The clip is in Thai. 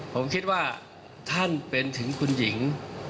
ผมคิดว่าท่านเป็นถึงคุณหญิง